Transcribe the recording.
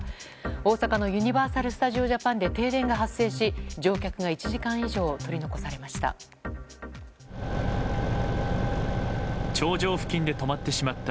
大阪のユニバーサル・スタジオ・ジャパンで停電が発生し、乗客が１時間以上取り残されました。